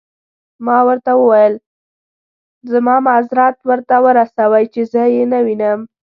ما ورته وویل: زما معذرت ورته ورسوئ، چې زه يې نه وینم.